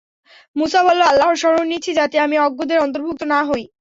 মূসা বলল, আল্লাহর শরণ নিচ্ছি যাতে আমি অজ্ঞদের অন্তর্ভুক্ত না হই।